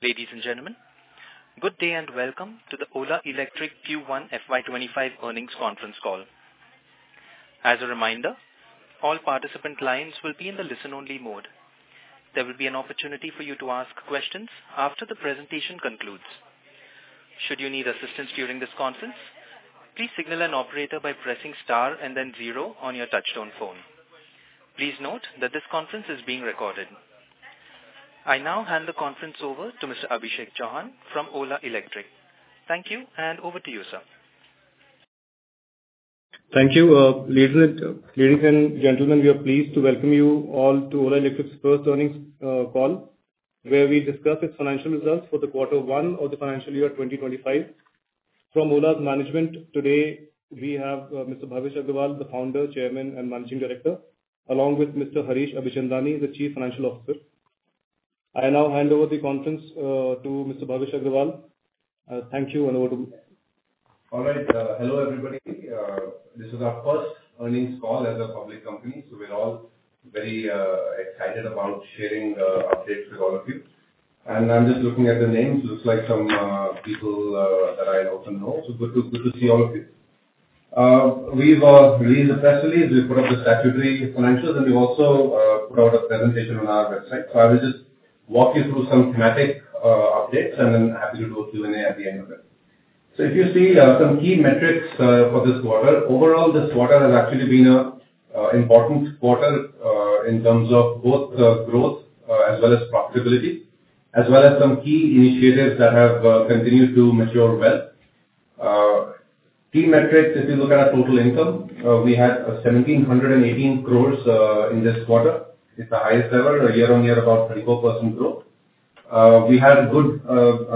Ladies and gentlemen, good day, and welcome to the Ola Electric Q1 FY25 earnings conference call. As a reminder, all participant lines will be in the listen-only mode. There will be an opportunity for you to ask questions after the presentation concludes. Should you need assistance during this conference, please signal an operator by pressing Star and then zero on your touchtone phone. Please note that this conference is being recorded. I now hand the conference over to Mr. Abhishek Chauhan from Ola Electric. Thank you, and over to you, sir. Thank you. Ladies and gentlemen, we are pleased to welcome you all to Ola Electric's first earnings call, where we discuss its financial results for the quarter 1 of the financial year 2025. From Ola's management today, we have Mr. Bhavish Aggarwal, the Founder, Chairman, and Managing Director, along with Mr. Harish Abichandani, the Chief Financial Officer. I now hand over the conference to Mr. Bhavish Aggarwal. Thank you, and over to you. All right. Hello, everybody. This is our first earnings call as a public company, so we're all very excited about sharing updates with all of you. I'm just looking at the names. Looks like some people that I also know. Good to see all of you. We've released a press release. We put up the statutory financials, and we've also put out a presentation on our website. I will just walk you through some thematic updates, and then happy to do Q&A at the end of it. If you see some key metrics for this quarter. Overall, this quarter has actually been an important quarter in terms of both growth as well as profitability, as well as some key initiatives that have continued to mature well. Key metrics, if you look at our total income, we had 1,718 crore in this quarter. It's the highest level, year-on-year, about 24% growth. We had a good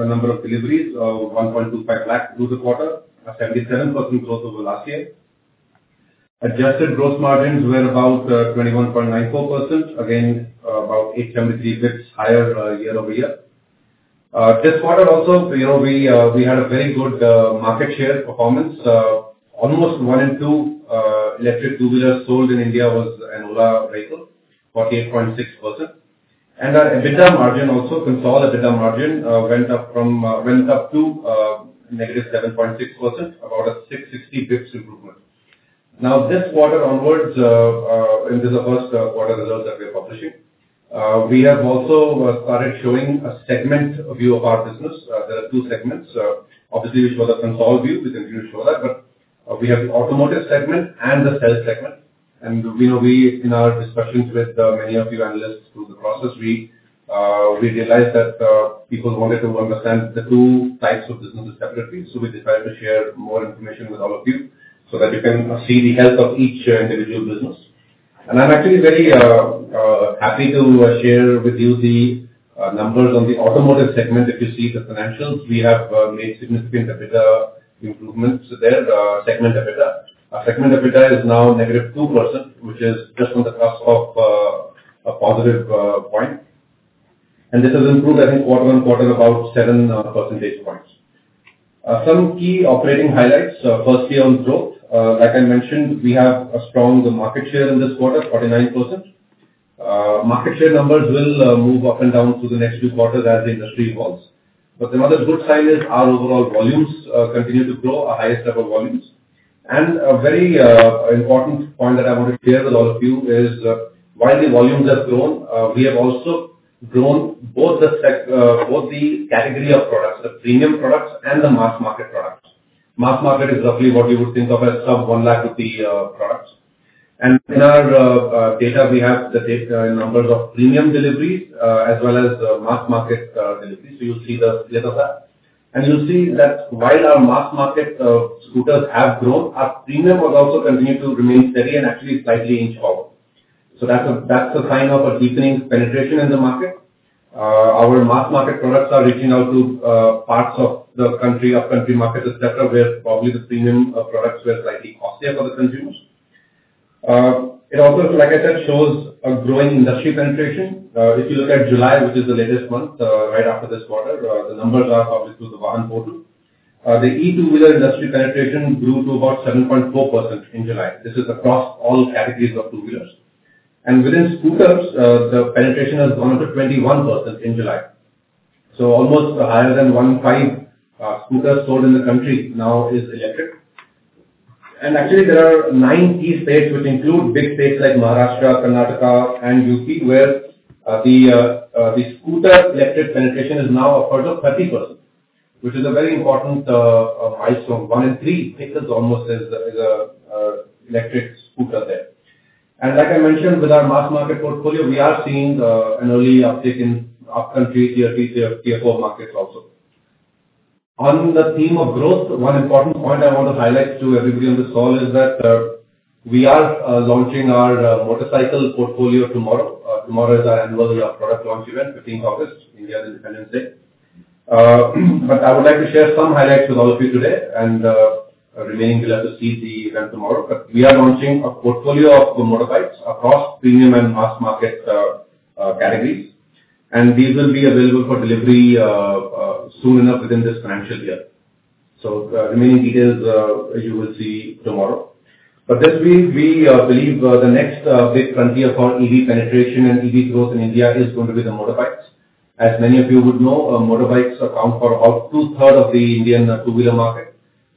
number of deliveries, 1.25 lakh through the quarter, a 77% growth over last year. Adjusted gross margins were about 21.94%. Again, about 873 basis points higher, year-over-year. This quarter also, you know, we had a very good market share performance. Almost one in two electric two-wheelers sold in India was an Ola vehicle, 48.6%. And our EBITDA margin also, consolidated EBITDA margin, went up from, went up to -7.6%, about a 660 basis points improvement. Now, this quarter onwards, and this is the first quarter results that we are publishing, we have also started showing a segment view of our business. There are two segments. Obviously, we show the consolidated view. We continue to show that, but we have the automotive segment and the sales segment. In our discussions with many of you analysts through the process, we realized that people wanted to understand the two types of businesses separately. So we decided to share more information with all of you, so that you can see the health of each individual business. And I'm actually very happy to share with you the numbers on the automotive segment. If you see the financials, we have made significant EBITDA improvements there. Segment EBITDA. Our segment EBITDA is now negative 2%, which is just on the cusp of a positive point, and this has improved, I think, quarter-on-quarter, about 7 percentage points. Some key operating highlights. Firstly, on growth, like I mentioned, we have a strong market share in this quarter, 49%. Market share numbers will move up and down through the next few quarters as the industry evolves. But another good sign is our overall volumes continue to grow, our highest ever volumes. And a very important point that I want to share with all of you is, while the volumes have grown, we have also grown both the category of products, the premium products and the mass market products. Mass market is roughly what you would think of as sub 1 lakh rupee products. In our data, we have the numbers of premium deliveries, as well as the mass market deliveries. So you'll see the split of that. And you'll see that while our mass market scooters have grown, our premium has also continued to remain steady and actually slightly inch up. So that's a, that's a sign of a deepening penetration in the market. Our mass market products are reaching out to parts of the country, up-country markets, et cetera, where probably the premium products were slightly costlier for the consumers. It also, like I said, shows a growing industry penetration. If you look at July, which is the latest month, right after this quarter, the numbers are published through the Vahan portal. The e-two-wheeler industry penetration grew to about 7.4% in July. This is across all categories of two-wheelers. And within scooters, the penetration has gone to 21% in July. So almost higher than one in five, scooters sold in the country now is electric. And actually, there are 9 key states, which include big states like Maharashtra, Karnataka and UP, where the scooter electric penetration is now upwards of 30%, which is a very important milestone. One in three scooters almost is an electric scooter there. And like I mentioned, with our mass market portfolio, we are seeing an early uptick in upcountry, tier 3, tier 4 markets also. On the theme of growth, one important point I want to highlight to everybody on this call is that, we are launching our motorcycle portfolio tomorrow. Tomorrow is our annual product launch event, fifteenth August, India's Independence Day. But I would like to share some highlights with all of you today, and, remaining, you'll have to see the event tomorrow. But we are launching a portfolio of two motorcycles across premium and mass market categories, and these will be available for delivery soon enough within this financial year. So, the remaining details you will see tomorrow. But this week, we believe the next big frontier for EV penetration and EV growth in India is going to be the motorbikes. As many of you would know, motorbikes account for about two-thirds of the Indian two-wheeler market.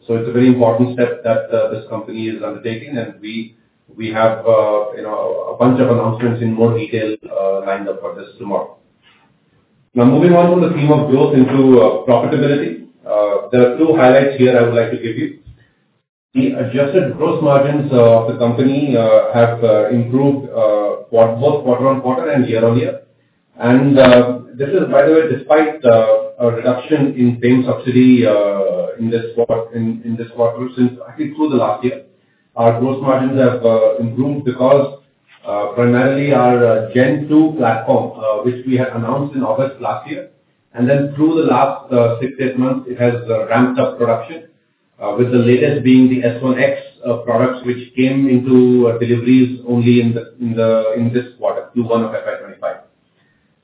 So it's a very important step that this company is undertaking, and we, we have, you know, a bunch of announcements in more detail lined up for this tomorrow. Now, moving on from the theme of growth into profitability, there are two highlights here I would like to give you. The adjusted gross margins of the company have improved quad- both quarter-over-quarter and year-over-year. This is, by the way, despite a reduction in FAME subsidy in this quarter, in this quarter, since I think through the last year. Our gross margins have improved because primarily our Gen 2 platform, which we had announced in August last year, and then through the last 6-8 months, it has ramped up production. With the latest being the S1 X products, which came into deliveries only in this quarter, Q1 of FY 25.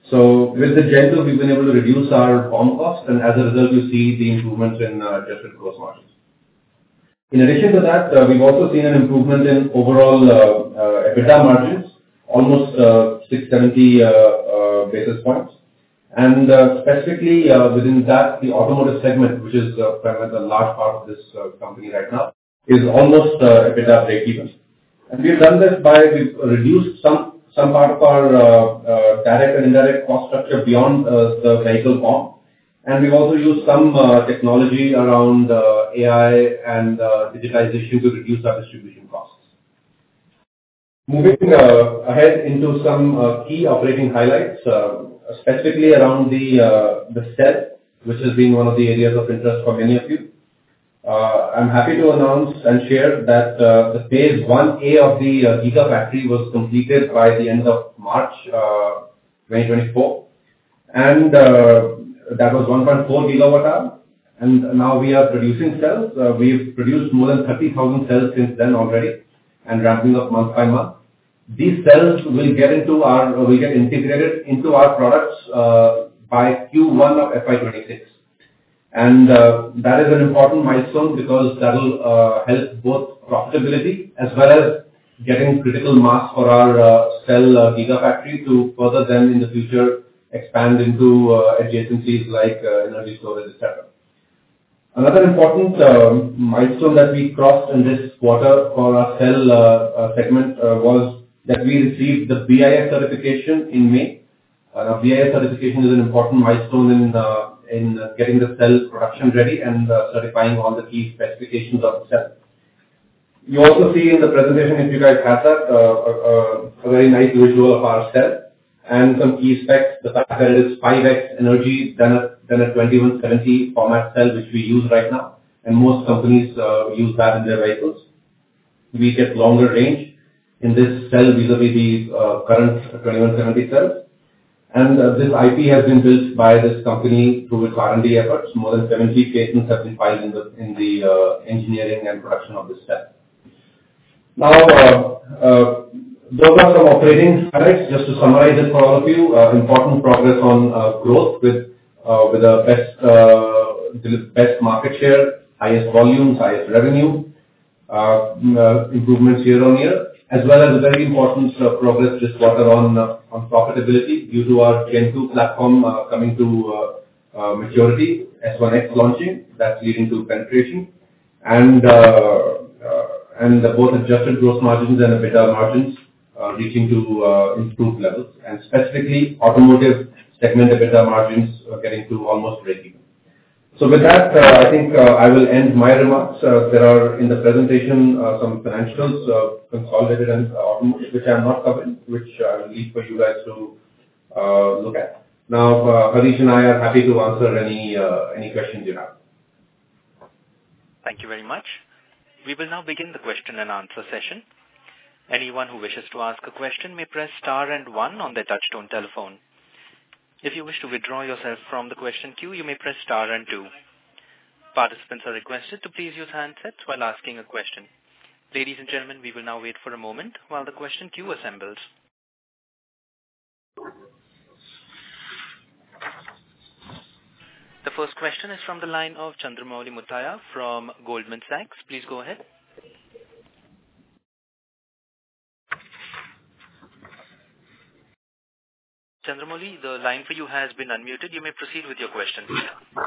So with the Gen 2, we've been able to reduce our BOM cost, and as a result, you see the improvements in adjusted gross margins. In addition to that, we've also seen an improvement in overall EBITDA margins, almost 670 basis points. Specifically, within that, the automotive segment, which is perhaps the large part of this company right now, is almost EBITDA breakeven. We've done this by we've reduced some part of our direct and indirect cost structure beyond the vehicle BOM. We've also used some technology around AI and digitization to reduce our distribution costs. Moving ahead into some key operating highlights, specifically around the cell, which has been one of the areas of interest for many of you. I'm happy to announce and share that the Phase 1A of the Gigafactory was completed by the end of March 2024. That was 1.4 gigawatt hour, and now we are producing cells. We've produced more than 30,000 cells since then already and ramping up month by month. These cells will get integrated into our products by Q1 of FY 2026. That is an important milestone because that will help both profitability as well as getting critical mass for our cell Gigafactory to further then in the future, expand into adjacencies like energy storage and et cetera. Another important milestone that we crossed in this quarter for our cell segment was that we received the BIS certification in May. BIS certification is an important milestone in getting the cells production ready and certifying all the key specifications of the cell. You also see in the presentation, if you guys have that, a very nice visual of our cell and some key specs. The fact that it is 5x energy than a 2170 format cell, which we use right now, and most companies use that in their vehicles. We get longer range in this cell vis-a-vis the current 2170 cells. And this IP has been built by this company, who is currently about more than 70 patents have been filed in the engineering and production of this cell. Now those are some operating highlights. Just to summarize it for all of you, important progress on growth with our best market share, highest volume, highest revenue improvements year-on-year, as well as very important progress this quarter on profitability due to our Gen 2 platform coming to maturity, S1 X launching, that's leading to penetration. And both adjusted gross margins and EBITDA margins reaching to improved levels. And specifically, automotive segment EBITDA margins are getting to almost breakeven. So with that, I think, I will end my remarks. There are in the presentation, some financials, consolidated and, which I have not covered, which, I will leave for you guys to, look at. Now, Harish and I are happy to answer any, any questions you have. Thank you very much. We will now begin the question-and-answer session. Anyone who wishes to ask a question may press star and one on their touchtone telephone. If you wish to withdraw yourself from the question queue, you may press star and two. Participants are requested to please use handsets while asking a question. Ladies and gentlemen, we will now wait for a moment while the question queue assembles. The first question is from the line of Chandramouli Muthiah from Goldman Sachs. Please go ahead. Chandramouli, the line for you has been unmuted. You may proceed with your question. Yeah.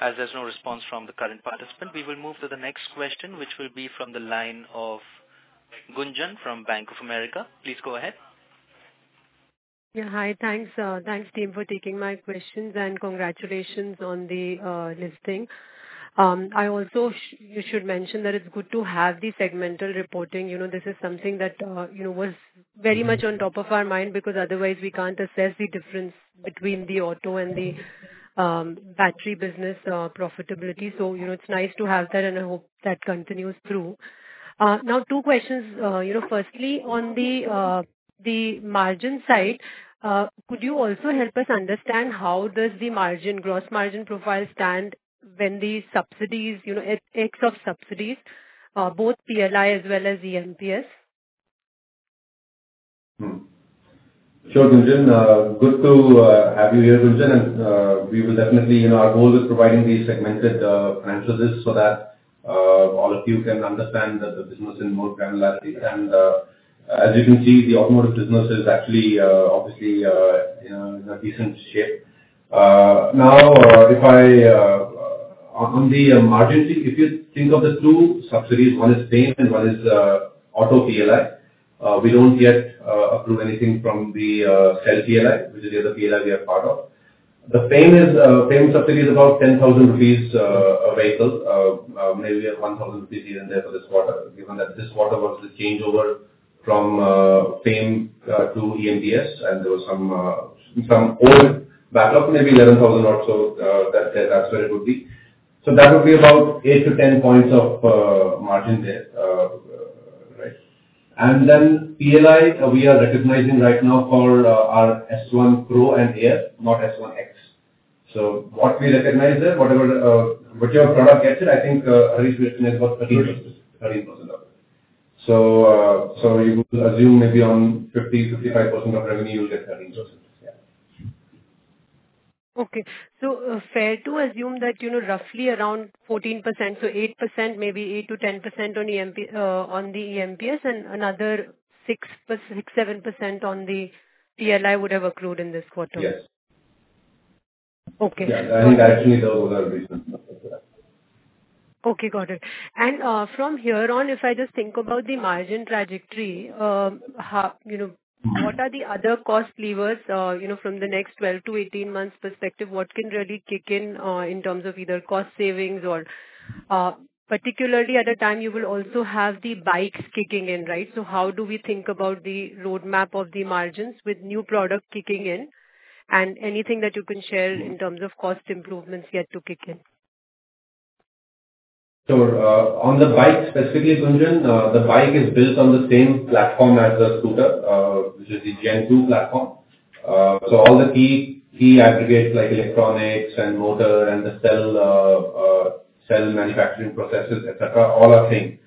As there's no response from the current participant, we will move to the next question, which will be from the line of Gunjan from Bank of America. Please go ahead. Yeah. Hi, thanks, thanks, team, for taking my questions, and congratulations on the, listing. I also you should mention that it's good to have the segmental reporting. You know, this is something that, you know, was very much on top of our mind, because otherwise we can't assess the difference between the auto and the, battery business, profitability. So, you know, it's nice to have that, and I hope that continues through. Now, two questions. You know, firstly, on the, the margin side, could you also help us understand how does the margin, gross margin profile stand? When these subsidies, you know, ex, ex of subsidies, both PLI as well as EMPS? Hmm. Sure, Gunjan. Good to have you here, Gunjan, and we will definitely, you know, our goal is providing the segmented financial risks so that all of you can understand the business in more granularity. And as you can see, the automotive business is actually obviously, you know, in a decent shape. Now, if I on the margin, if you think of the two subsidies, one is FAME and one is Auto PLI. We don't yet approve anything from the cell PLI, which is the other PLI we are part of. The FAME is FAME subsidy is about 10,000 rupees a vehicle, maybe 1,000 rupees here and there for this quarter. Given that this quarter was the changeover from FAME to EMPS, and there was some old backup, maybe 11,000 or so, that that's where it would be. So that would be about 8-10 points of margin there, right. And then PLI, we are recognizing right now for our S1 Pro and Air, not S1 X. So what we recognize there, whatever which your product gets it, I think Harish question is about 13 13% of it. So so you would assume maybe on 50-55% of revenue, you'll get 13%. Yeah. Okay. So, fair to assume that, you know, roughly around 14%, so 8%, maybe 8%-10% on EMPS and another 6%-7% on the PLI would have accrued in this quarter? Yes. Okay. Yeah, I think actually those are the reasons. Okay, got it. And, from here on, if I just think about the margin trajectory, how, you know- Mm-hmm. What are the other cost levers, you know, from the next 12-18 months perspective, what can really kick in, in terms of either cost savings or, particularly at a time you will also have the bikes kicking in, right? So how do we think about the roadmap of the margins with new product kicking in, and anything that you can share in terms of cost improvements yet to kick in? So, on the bike specifically, Gunjan, the bike is built on the same platform as the scooter, which is the Gen 2 platform. So all the key, key aggregates like electronics and motor and the cell, cell manufacturing processes, et cetera, all are same.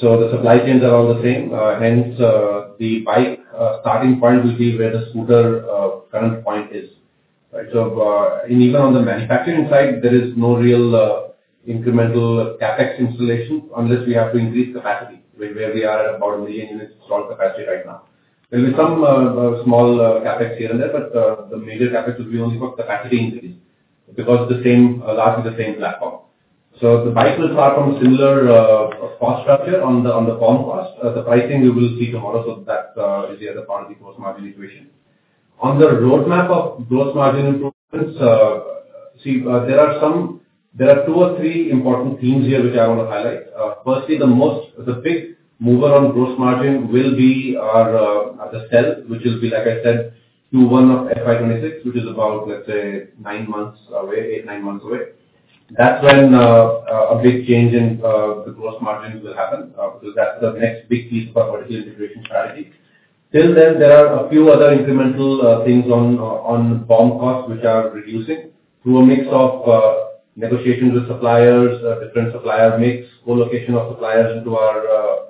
So the supply chains are all the same. Hence, the bike starting point will be where the scooter current point is, right? So, and even on the manufacturing side, there is no real incremental CapEx installation, unless we have to increase capacity, where we are at about 1 million units small capacity right now. There'll be some small CapEx here and there, but the major CapEx will be only for capacity increase, because the same, largely the same platform. So the bike will start from a similar, cost structure on the, on the BOM cost. The pricing we will see tomorrow, so that, is the other part of the gross margin equation. On the roadmap of gross margin improvements, see, there are some... There are two or three important themes here, which I want to highlight. Firstly, the most, the big mover on gross margin will be our, the cell, which will be, like I said, to one of FY 2026, which is about, let's say, nine months away, eight, nine months away. That's when, a big change in, the gross margins will happen, because that's the next big piece of our vertical integration strategy. Till then, there are a few other incremental things on BOM costs, which are reducing through a mix of negotiations with suppliers, different supplier mix, co-location of suppliers into our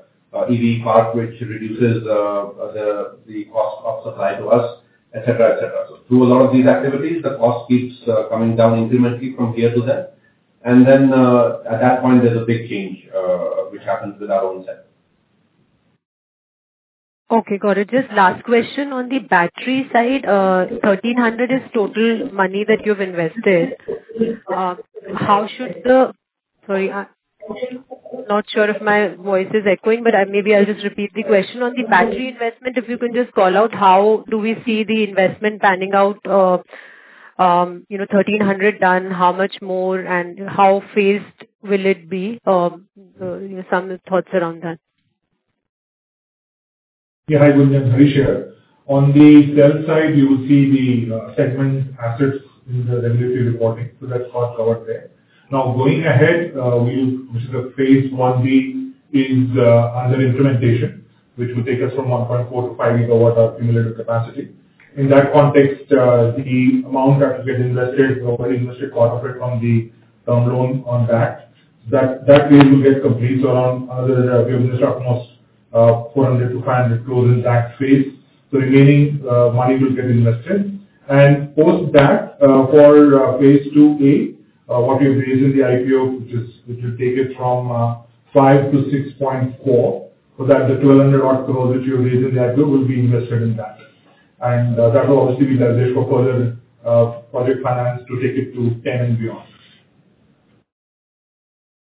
EV park, which reduces the cost of supply to us, et cetera, et cetera. So through a lot of these activities, the cost keeps coming down incrementally from here to there. And then, at that point, there's a big change which happens with our own cell. Okay, got it. Just last question on the battery side, 1,300 is total money that you've invested. How should the... Sorry, I'm not sure if my voice is echoing, but I maybe I'll just repeat the question. On the battery investment, if you can just call out, how do we see the investment panning out? You know, 1,300 done, how much more and how phased will it be? Some thoughts around that. Yeah, hi, Gunjan. Harish here. On the cell side, you will see the segment assets in the regulatory reporting, so that's all covered there. Now, going ahead, we will, which is the Phase 1B, is under implementation, which will take us from 1.4 to 5 GWh cumulative capacity. In that context, the amount that will get invested, we already invested part of it from the term loan on that, that way will get complete around another, we have invested at most 400-500 closing that phase. So remaining money will get invested. Post that, for phase 2A, what we've raised in the IPO, which is, which will take it from 5 to 6.4, so that the 200-odd crore which you raised in the IPO will be invested in that. That will obviously be leveraged for further project finance to take it to 10 and beyond.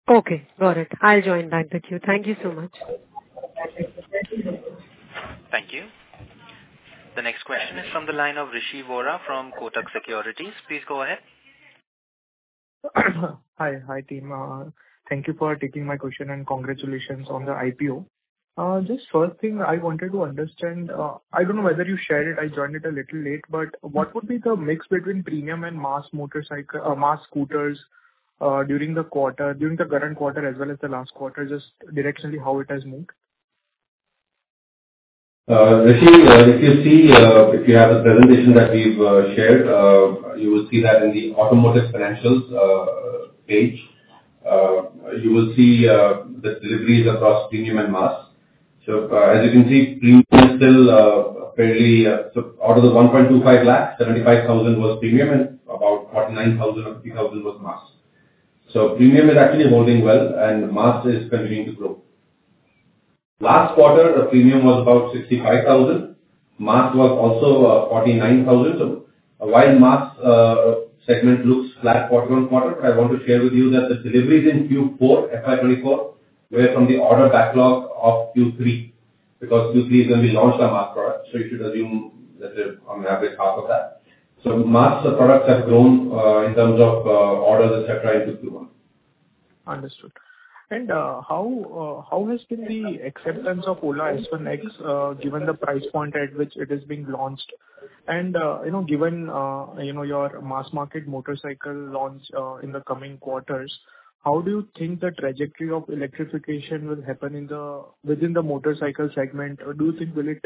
Okay, got it. I'll join back with you. Thank you so much. Thank you. The next question is from the line of Rishi Vora from Kotak Securities. Please go ahead. Hi, hi, team. Thank you for taking my question, and congratulations on the IPO. Just first thing I wanted to understand, I don't know whether you shared it, I joined it a little late, but what would be the mix between premium and mass motorcycle, mass scooters, during the quarter, during the current quarter as well as the last quarter, just directionally how it has moved? ... Rishi, if you see, if you have the presentation that we've shared, you will see that in the automotive financials, page, you will see the deliveries across premium and mass. So, as you can see, premium is still fairly, so out of the 1.25 lakh, 75,000 was premium and about 49,000 or 50,000 was mass. So premium is actually holding well, and mass is continuing to grow. Last quarter, the premium was about 65,000. Mass was also 49,000. So while mass segment looks flat quarter-on-quarter, I want to share with you that the deliveries in Q4 FY 2024 were from the order backlog of Q3, because Q3 is when we launched our mass product. So you should assume that they're on an average, half of that. Mass products have grown in terms of orders, et cetera, in Q1. Understood. And, how has been the acceptance of Ola S1 X, given the price point at which it is being launched? And, you know, given, you know, your mass market motorcycle launch, in the coming quarters, how do you think the trajectory of electrification will happen within the motorcycle segment? Or do you think will it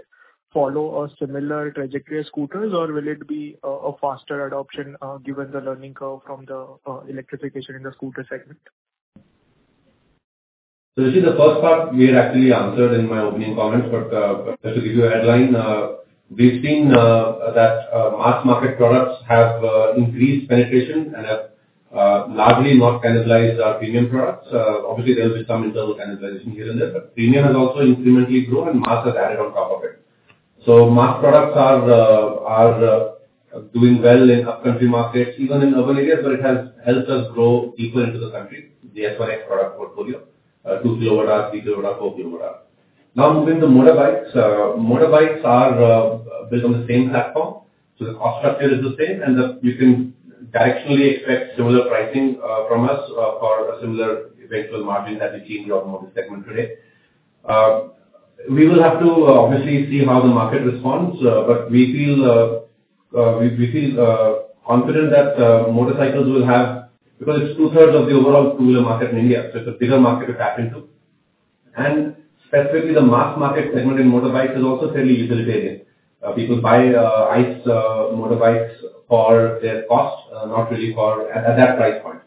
follow a similar trajectory as scooters, or will it be a faster adoption, given the learning curve from the electrification in the scooter segment? So Rishi, the first part we had actually answered in my opening comments, but just to give you a headline, we've seen that mass market products have increased penetration and have largely not cannibalized our premium products. Obviously, there will be some internal cannibalization here and there, but premium has also incrementally grown and mass has added on top of it. So mass products are doing well in up-country markets, even in urban areas, where it has helped us grow deeper into the country, the S1 X product portfolio, 2 kW, 3 kW, 4 kW. Now, moving to motorbikes. Motorbikes are built on the same platform, so the cost structure is the same, and you can directionally expect similar pricing from us for a similar eventual margin that we see in the automotive segment today. We will have to obviously see how the market responds, but we feel confident that motorcycles will have... Because it's 2/3 of the overall two-wheeler market in India, so it's a bigger market to tap into. And specifically, the mass market segment in motorbikes is also fairly utilitarian. People buy ICE motorbikes for their cost, not really for... At that price point.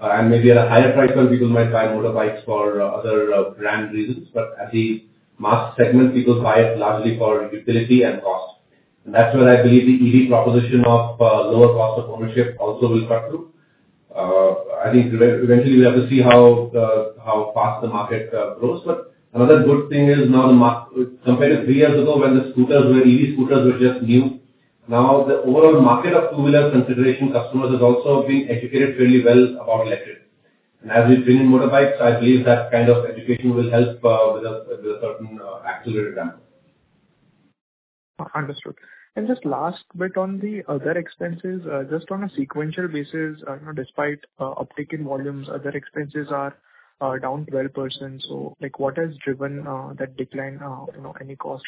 And maybe at a higher price point, people might buy motorbikes for other brand reasons, but at the mass segment, people buy it largely for utility and cost. And that's where I believe the EV proposition of lower cost of ownership also will cut through. I think eventually we have to see how fast the market grows. But another good thing is now compared to three years ago, when EV scooters were just new, now the overall market of two-wheeler consideration, customers have also been educated fairly well about electric. And as we bring in motorbikes, I believe that kind of education will help with a certain accelerated ramp. Understood. And just last bit on the other expenses, just on a sequential basis, you know, despite uptick in volumes, other expenses are down 12%. So, like, what has driven that decline, you know, any cost?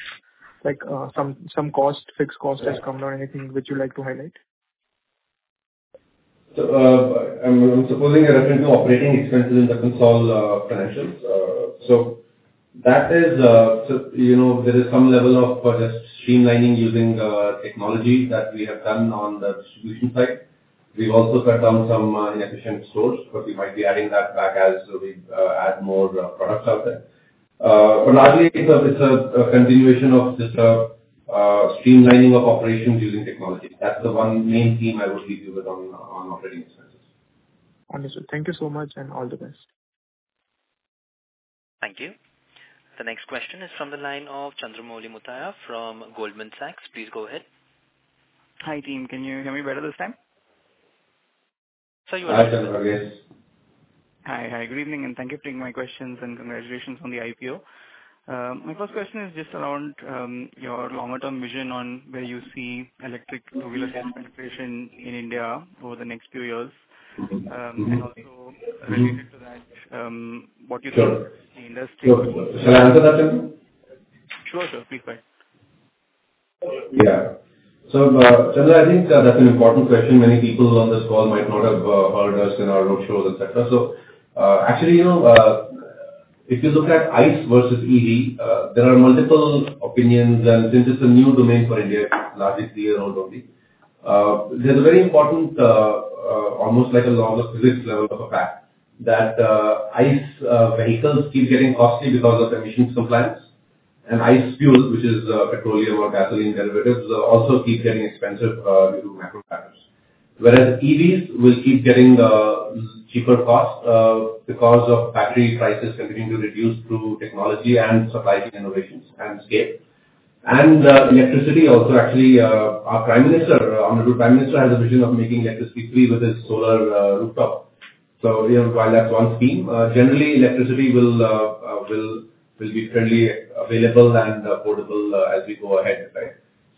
Like, some cost, fixed costs have come down or anything which you'd like to highlight? So, I'm supposing you're referring to operating expenses in the consolidated financials. So that is, you know, there is some level of just streamlining using technology that we have done on the distribution side. We've also cut down some inefficient stores, but we might be adding that back as we add more products out there. But largely, it's a continuation of just streamlining of operations using technology. That's the one main theme I would leave you with on operating expenses. Understood. Thank you so much, and all the best. Thank you. The next question is from the line of Chandramouli Muthiah from Goldman Sachs. Please go ahead. Hi, team. Can you hear me better this time? Hi, Chandramouli. Hi, hi, good evening, and thank you for taking my questions, and congratulations on the IPO. My first question is just around your longer-term vision on where you see electric two-wheeler penetration in India over the next few years. And also related to that, what you think the industry- Sure. Shall I answer that, Chandru? Sure, sir, please go ahead. Yeah. So, Chandru, I think that's an important question. Many people on this call might not have heard us in our roadshows, et cetera. So, actually, you know, if you look at ICE versus EV, there are multiple opinions, and this is a new domain for India, largely three-year-old only. There's a very important, almost like a law of physics level of a fact, that ICE vehicles keep getting costly because of emission compliance, and ICE fuels, which is petroleum or gasoline derivatives, also keep getting expensive due to macro factors. Whereas EVs will keep getting cheaper costs because of battery prices continuing to reduce through technology and supply chain innovations and scale. Electricity also, actually, our prime minister, honorable prime minister, has a vision of making electricity free with his solar rooftop. So, you know, while that's one scheme, generally electricity will, will be freely available and affordable, as we go ahead, right?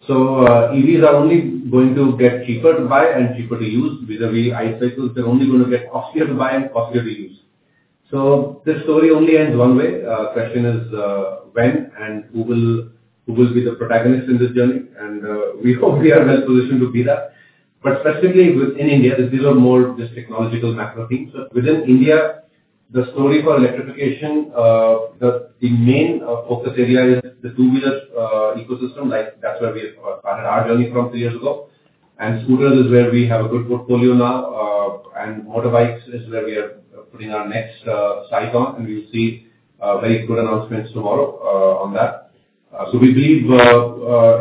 So, EVs are only going to get cheaper to buy and cheaper to use. Vis-à-vis ICE cycles, they're only going to get costlier to buy and costlier to use. So this story only ends one way. Question is, when and who will, who will be the protagonist in this journey? And, we hope we are well positioned to be that. But specifically within India, these are more just technological macro things. So within India, the story for electrification, the main focus area is the two-wheeler ecosystem. Like, that's where we started our journey from three years ago. And scooters is where we have a good portfolio now, and motorbikes is where we are putting our next sight on, and we'll see very good announcements tomorrow on that. So we believe, you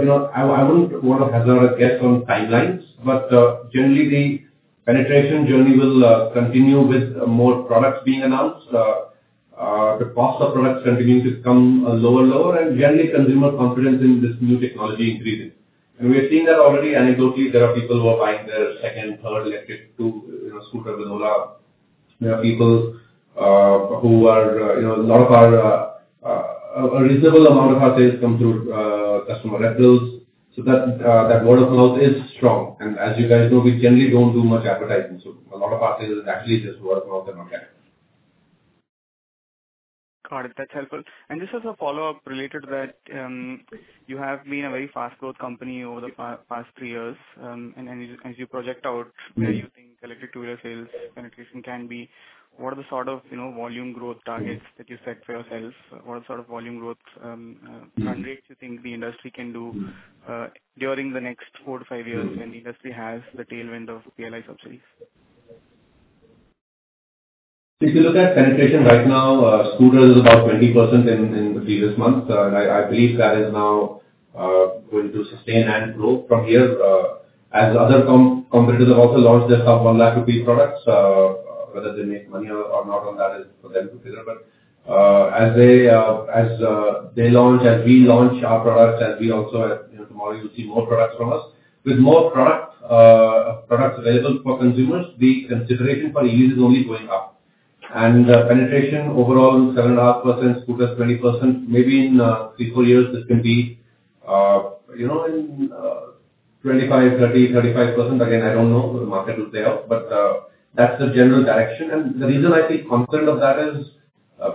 know, I, I wouldn't want to hazard a guess on timelines, but, generally, the penetration journey will continue with more products being announced. The cost of products continues to come lower and lower, and generally, consumer confidence in this new technology increases. And we're seeing that already anecdotally, there are people who are buying their second, third electric two, you know, scooter with Ola. There are people who are, you know, a lot of our a reasonable amount of our sales come through customer referrals. That word of mouth is strong. As you guys know, we generally don't do much advertising, so a lot of our sales is actually just word of mouth and online. Got it. That's helpful. And just as a follow-up related to that, you have been a very fast growth company over the past three years. And as you project out- Mm-hmm. -where you think electric two-wheeler sales penetration can be, what are the sort of, you know, volume growth targets that you set for yourselves? What sort of volume growth, Mm-hmm. -rates do you think the industry can do, during the next 4-5 years? Mm-hmm. -when the industry has the tailwind of PLI subsidies? If you look at penetration right now, scooters is about 20% in the previous month. And I believe that is now going to sustain and grow from here, as other competitors have also launched their sub 100,000 rupee products. Whether they make money or not on that is for them to figure, but as they launch, as we launch our products, as we also, you know, tomorrow you'll see more products from us. With more products available for consumers, the consideration for e is only going up. And penetration overall 7.5%, scooters 20%. Maybe in 3, 4 years, this can be, you know, in 25, 30, 35%. Again, I don't know, the market will play out, but that's the general direction. The reason I feel confident of that is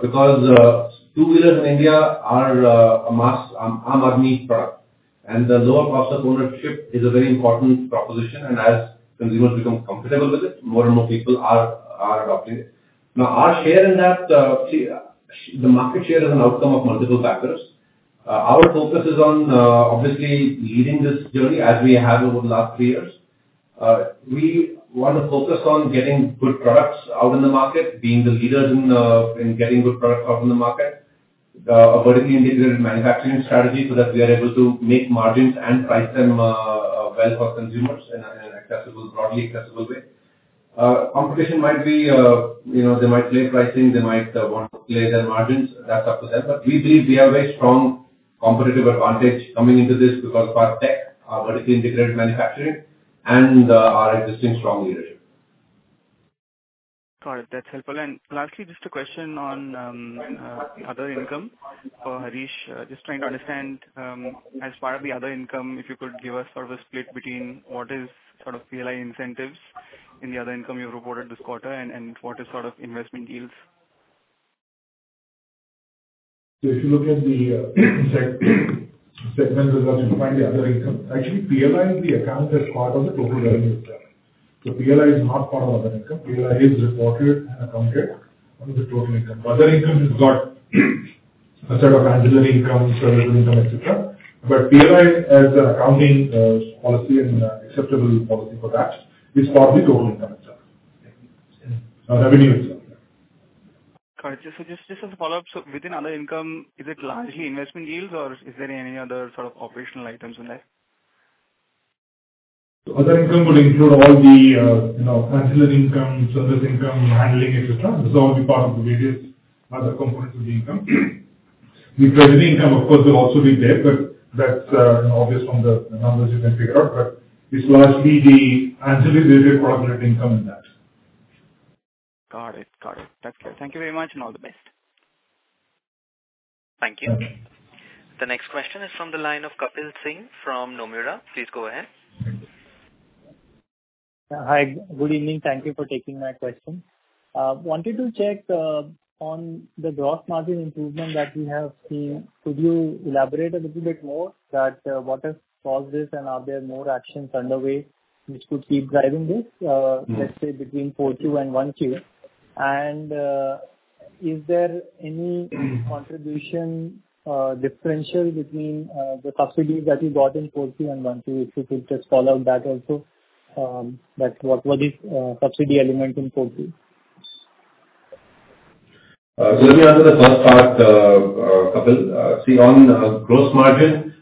because two-wheelers in India are a mass-market product, and the lower cost of ownership is a very important proposition, and as consumers become comfortable with it, more and more people are adopting it. Now, our share in that. The market share is an outcome of multiple factors. Our focus is on obviously leading this journey as we have over the last three years. We want to focus on getting good products out in the market, being the leaders in getting good products out in the market. A vertically integrated manufacturing strategy, so that we are able to make margins and price them well for consumers in an accessible, broadly accessible way. Competition might be, you know, they might play pricing, they might want to play their margins. That's up to them. But we believe we have a strong competitive advantage coming into this because of our tech, our vertically integrated manufacturing, and our existing strong leadership. Got it. That's helpful. And lastly, just a question on other income for Harish. Just trying to understand, as part of the other income, if you could give us sort of a split between what is sort of PLI incentives in the other income you reported this quarter and what is sort of investment deals? So if you look at the segment with respect to the other income, actually, PLI is the account that's part of the total revenue itself. So PLI is not part of other income. PLI is reported and accounted under the total income. Other income has got a set of ancillary income, service income, et cetera. But PLI, as an accounting policy and acceptable policy for that, is part of the total income itself. Revenue itself. Got it. So just, just as a follow-up, so within other income, is it largely investment deals, or is there any other sort of operational items in there? Other income would include all the, you know, ancillary income, service income, handling, et cetera. This is all part of the various other components of the income. The treasury income, of course, will also be there, but that's obvious from the numbers you can figure out, but it's largely the ancillary, related product income in that. Got it. Got it. That's clear. Thank you very much, and all the best. Thank you. The next question is from the line of Kapil Singh from Nomura. Please go ahead. Hi. Good evening. Thank you for taking my question. Wanted to check on the gross margin improvement that we have seen. Could you elaborate a little bit more that what has caused this, and are there more actions underway which could keep driving this. Mm-hmm. Let's say, between Q2 and Q1? And, is there any- Mm-hmm. contribution differential between the subsidies that you got in Q2 and Q1, if you could just call out that also, that what, what is subsidy element in Q2? So let me answer the first part, Kapil. See, on gross margin,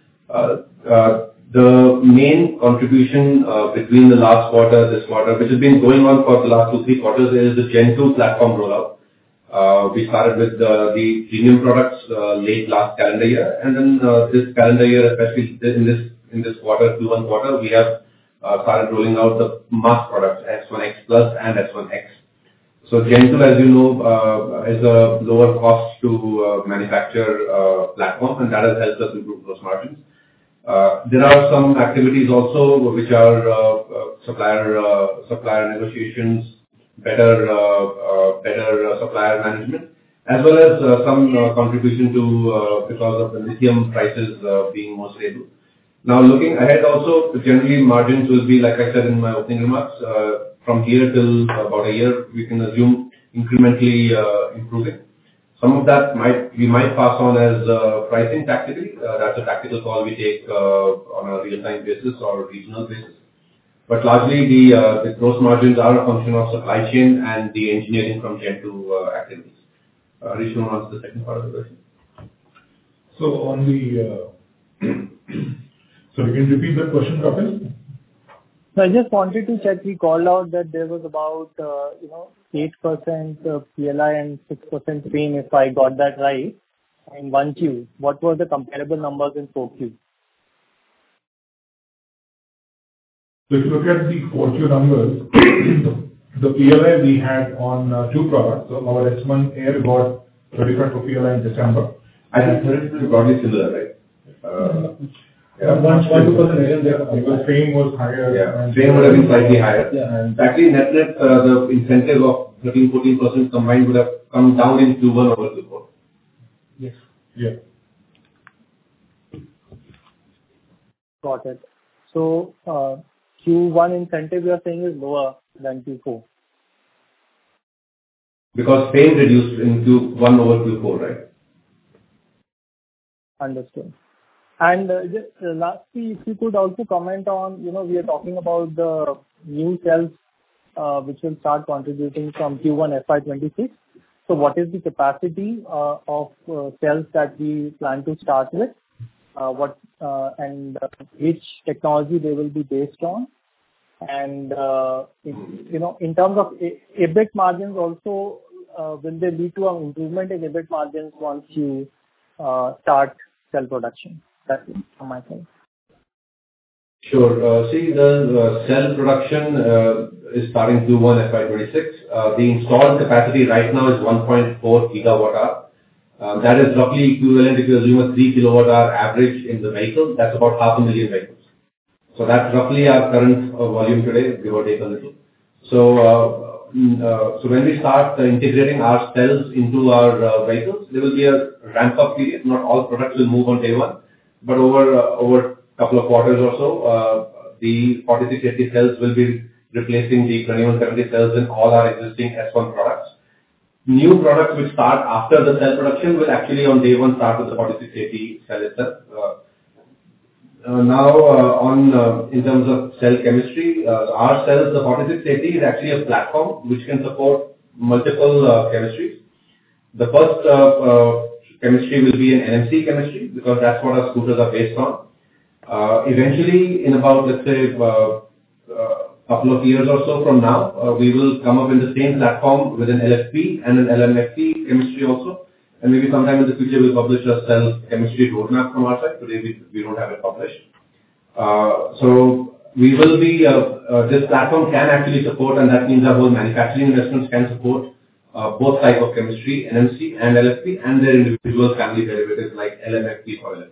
the main contribution between the last quarter and this quarter, which has been going on for the last two, three quarters, is the Gen 2 platform rollout. We started with the premium products late last calendar year, and then this calendar year, especially in this quarter, Q1 quarter, we have started rolling out the mass products, S1 X+ and S1 X. So Gen 2, as you know, is a lower cost to manufacture platform, and that has helped us improve gross margins. There are some activities also, which are supplier negotiations, better supplier management, as well as some contribution to because of the lithium prices being more stable. Now, looking ahead also, generally, margins will be, like I said in my opening remarks, from here till about a year, we can assume incrementally improving. Some of that we might pass on as pricing tactically. That's a tactical call we take on a real-time basis or regional basis. But largely, the gross margins are a function of supply chain and the engineering from end-to-end activities. Rishi will answer the second part of the question. Sorry, can you repeat the question, Kapil? No, I just wanted to check. We called out that there was about, you know, 8%, PLI and 6% FAME, if I got that right, in 1Q. What were the comparable numbers in 4Q? If you look at the 4 Q numbers, the PLI we had on two products. So our S1 Air got 35 PLI in December, and 30 is broadly similar, right? Yeah, 1.2%, because FAME was higher. Yeah, FAME would have been slightly higher. Yeah. Actually, net net, the incentive of 13%-14% combined would have come down in Q1 over Q4. Yes. Yeah. Got it. So, Q1 incentive, you're saying, is lower than Q4? Because FAME reduced in Q1 over Q4, right? Understood. And just lastly, if you could also comment on... You know, we are talking about the new cells, which will start contributing from Q1 FY26. So what is the capacity of cells that we plan to start with? What and which technology they will be based on? And in, you know, in terms of EBITDA margins also, will they lead to an improvement in EBIT margins once you start cell production? That's it from my side. Sure. See, the cell production is starting Q1 FY 2026. The installed capacity right now is 1.4 GWh. That is roughly equivalent to, assume, a 3 kWh average in the vehicle. That's about 500,000 vehicles. So that's roughly our current volume today, give or take a little. So when we start integrating our cells into our vehicles, there will be a ramp-up period. Not all products will move on day one, but over a couple of quarters or so, the 4680 cells will be replacing the 2170 cells in all our existing S1 products. New products, which start after the cell production, will actually, on day one, start with the 4680 cell itself. Now, on, in terms of cell chemistry, our cells, the 4680, is actually a platform which can support multiple chemistries. The first chemistry will be an NMC chemistry, because that's what our scooters are based on. Eventually, in about, let's say, a couple of years or so from now, we will come up with the same platform with an LFP and an LMFP chemistry also. And maybe sometime in the future, we'll publish a cell chemistry roadmap from our side. Today, we don't have it published. So this platform can actually support, and that means our whole manufacturing investments can support, both type of chemistry, NMC and LFP, and their individual family derivatives like LMFP or LFP.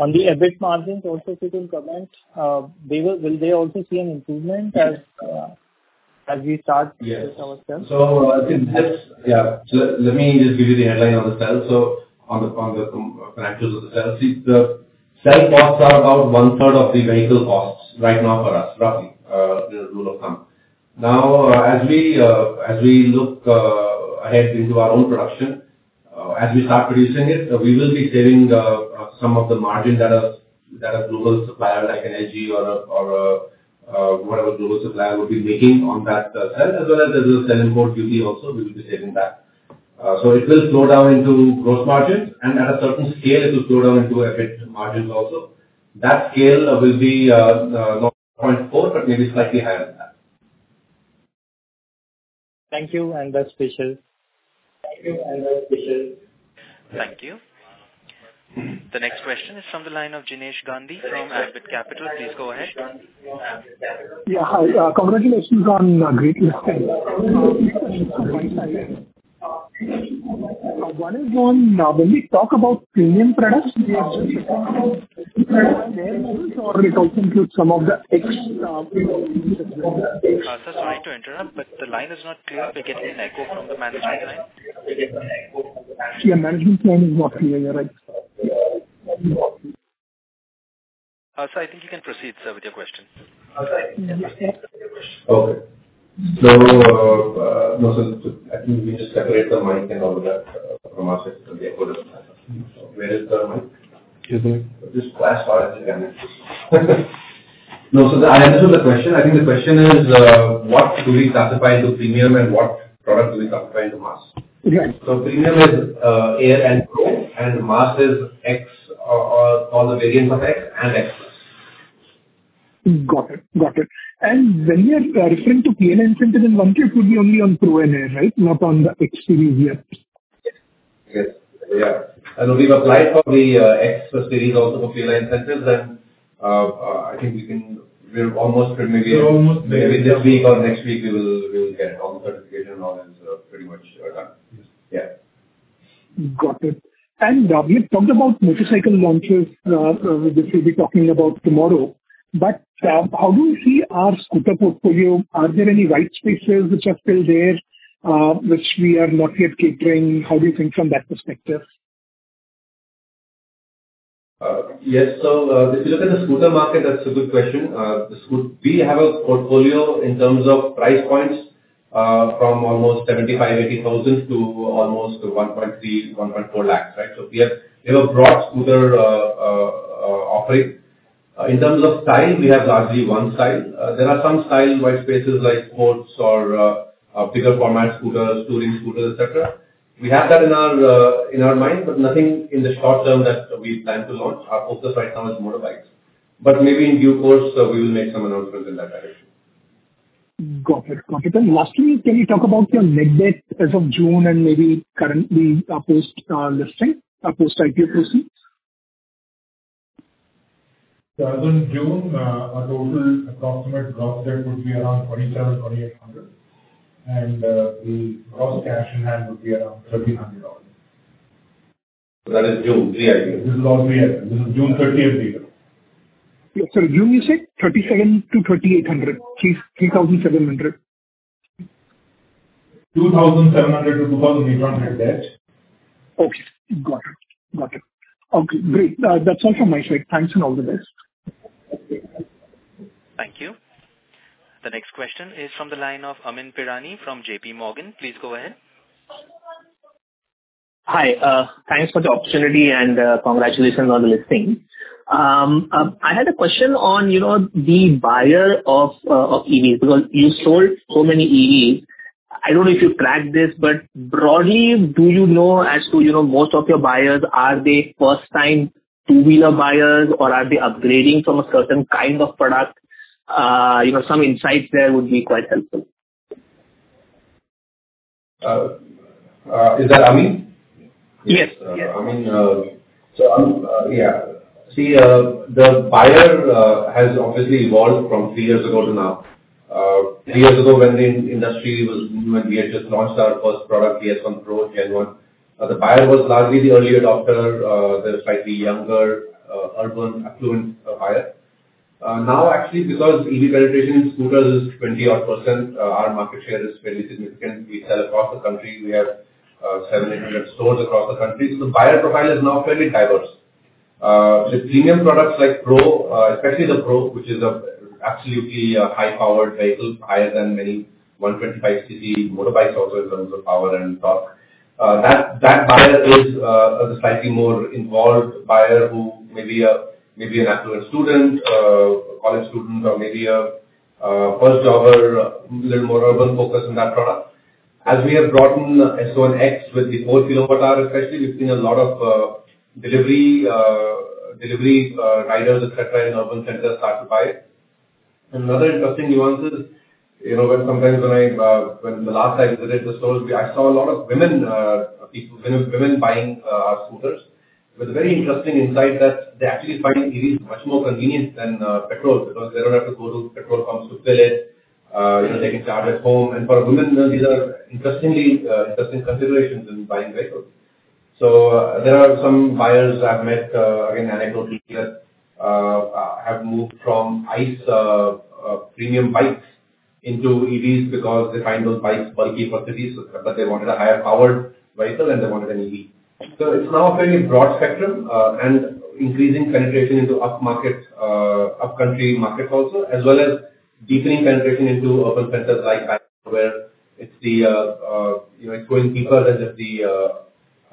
On the EBIT margins also, if you can comment, will they also see an improvement as we start- Yes. with our sales? So, I think that's... Yeah. So let me just give you the headline on the sales, so on the financials of the sales. See, the cell costs are about 1/3 of the vehicle costs right now for us, roughly, as a rule of thumb. Now, as we look ahead into our own production, as we start producing it, we will be saving some of the margin that a global supplier like Energy or a whatever global supplier would be making on that cell, as well as there's import duty also, we will be saving that. So it will flow down into gross margins, and at a certain scale, it will flow down into EBIT margins also. That scale will be 0.4, but maybe slightly higher than that. Thank you. That's special. Thank you. And that's special. Thank you. The next question is from the line of Jinesh Gandhi from Ambit Capital. Please go ahead. Yeah, hi. Congratulations on great results. One is on, when we talk about premium products, - Sir, sorry to interrupt, but the line is not clear. We're getting an echo from the management line. Yeah, management line is not clear. You're right. Sir, I think you can proceed, sir, with your question. Uh, sorry. Okay. So, no, so I think we just separate the mic and all of that, from our side, so the echo doesn't happen. Where is the mic? Excuse me. Just flash start it again. No, so the answer to the question, I think the question is, what do we classify into premium and what product do we classify into mass? Yes. So premium is Air and Pro, and mass is X, all the variants of X and X plus. Got it. Got it. And when you are referring to PLI incentive in one case, it will be only on Pro and Air, right? Not on the X series yet. Yes. Yeah. And we've applied for the, X series also for PLI incentives, and, I think we can... We're almost maybe- Almost- Maybe this week or next week, we will, we will get it. All the certification and all is pretty much done. Yes. Yeah.... Got it. And, we have talked about motorcycle launches, which we'll be talking about tomorrow, but, how do you see our scooter portfolio? Are there any white spaces which are still there, which we are not yet catering? How do you think from that perspective? Yes, so, if you look at the scooter market, that's a good question. This would—we have a portfolio in terms of price points, from almost 75,000-80,000 to almost 1.3-1.4 lakhs, right? So we have a broad scooter offering. In terms of style, we have largely one style. There are some style white spaces like sports or, bigger format scooters, touring scooters, et cetera. We have that in our mind, but nothing in the short term that we plan to launch. Our focus right now is motorbikes. But maybe in due course, we will make some announcements in that direction. Got it. Got it. And lastly, can you talk about your net debt as of June and maybe currently, post listing, post IPO proceeds? As in June, our total approximate gross debt would be around $2,700-$2,800, and the gross cash in hand would be around $1,300. That is June, pre-IPO. This is all pre-IPO. This is June thirtieth data. Yeah. Sorry, June, you said? 3,200-3,800, 3,300-3,700. 2,700-2,800 debt. Okay, got it. Got it. Okay, great. That's all from my side. Thanks, and all the best. Okay. Thank you. The next question is from the line of Amyn Pirani from J.P. Morgan. Please go ahead. Hi, thanks for the opportunity, and, congratulations on the listing. I had a question on, you know, the buyer of, of EVs, because you sold so many EVs. I don't know if you tracked this, but broadly, do you know as to, you know, most of your buyers, are they first-time two-wheeler buyers, or are they upgrading from a certain kind of product? You know, some insights there would be quite helpful. Is that Amyn? Yes. Yes. Amyn, so, the buyer has obviously evolved from three years ago to now. Three years ago, when the industry was, when we had just launched our first product, the S1 Pro Gen One, the buyer was largely the early adopter, the slightly younger, urban, affluent, buyer. Now, actually, because EV penetration in scooters is 20-odd%, our market share is very significant. We sell across the country. We have 700 stores across the country, so the buyer profile is now fairly diverse. With premium products like Pro, especially the Pro, which is absolutely a high-powered vehicle, higher than many 125 cc motorbikes also in terms of power and torque. That buyer is a slightly more involved buyer who may be an affluent college student or maybe a first jobber, little more urban focus in that product. As we have brought in S1 X with the 4 kWh especially, we've seen a lot of delivery riders, et cetera, in urban centers start to buy it. Another interesting nuance is, you know, when I last visited the stores, I saw a lot of women buying scooters. It was a very interesting insight that they're actually finding EVs much more convenient than petrol, because they don't have to go to petrol pumps to fill it, you know, they can charge at home. And for women, these are interesting considerations in buying vehicles. So there are some buyers I've met, again, anecdotally, that have moved from ICE, premium bikes into EVs because they find those bikes bulky for cities, but they wanted a higher powered vehicle, and they wanted an EV. So it's now a very broad spectrum, and increasing penetration into upmarket, upcountry markets also, as well as deepening penetration into urban centers like Bengaluru, where it's the, you know, it's going deeper than just the,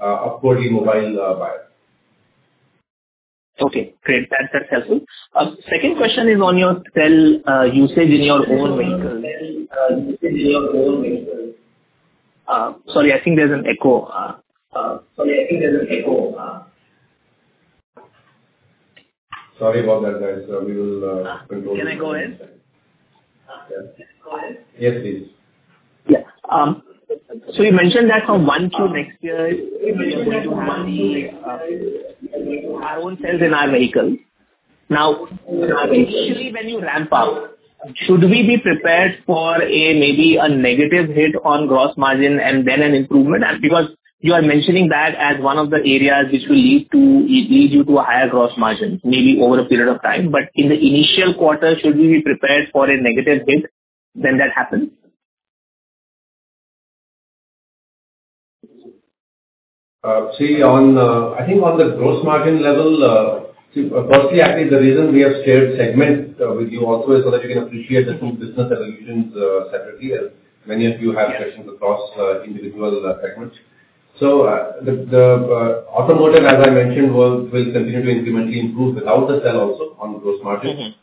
upwardly mobile, buyer. Okay, great. That, that's helpful. Second question is on your cell usage in your own vehicles. Sorry, I think there's an echo. Sorry, I think there's an echo. Sorry about that, guys. We will control- Can I go ahead? Yes. Go ahead. Yes, please. Yeah. So you mentioned that from one to next year, our own sales in our vehicles. Now, initially when you ramp up, should we be prepared for a, maybe a negative hit on gross margin and then an improvement? Because you are mentioning that as one of the areas which will lead to, lead you to a higher gross margin, maybe over a period of time. But in the initial quarter, should we be prepared for a negative hit when that happens? See, on the gross margin level, see, firstly, actually, the reason we have shared segment with you also is so that you can appreciate the two business divisions separately, as many of you have questions across individual segments. So, the automotive, as I mentioned, will continue to incrementally improve without the sell also on gross margin. Mm-hmm.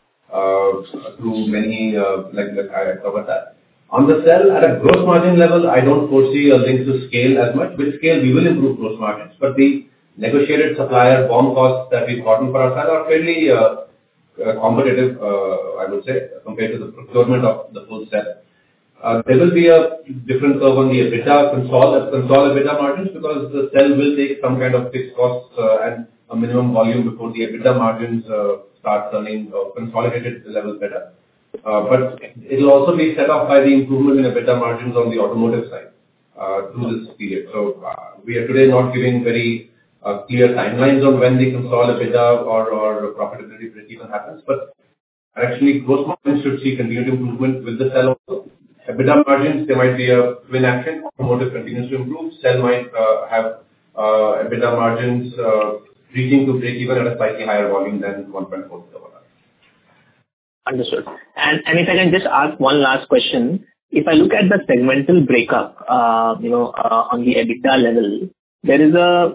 Through many, like I covered that. On the cell, at a gross margin level, I don't foresee a link to scale as much. With scale, we will improve gross margins, but the negotiated supplier BOM costs that we've gotten for our cell are fairly, competitive, I would say, compared to the procurement of the full cell. There will be a different curve on the EBITDA, consolidated EBITDA margins, because the cell will take some kind of fixed costs, and a minimum volume before the EBITDA margins start turning consolidated levels better. But it'll also be set off by the improvement in EBITDA margins on the automotive side, through this period. We are today not giving very clear timelines on when we can solve EBITDA or, or profitability breakeven happens, but actually, gross margins should see continued improvement with the cell also. EBITDA margins, there might be a twin action. Automotive continues to improve, cell might have EBITDA margins reaching to breakeven at a slightly higher volume than 1.4. Understood. If I can just ask one last question. If I look at the segmental breakup, you know, on the EBITDA level, there is a,